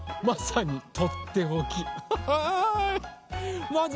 まさにとっておき。